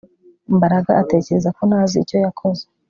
Mbaraga atekereza ko ntazi icyo yakoze